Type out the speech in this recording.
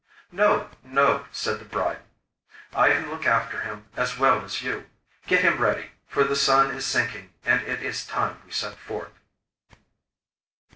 'No, no,' said the bride; 'I can look after him as well as you. Get him ready, for the sun is sinking and it is time we set forth.